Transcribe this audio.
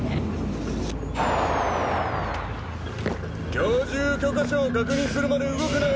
居住許可書を確認するまで動くなよ。